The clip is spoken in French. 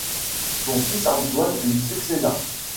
Son fils Antoine lui succèda.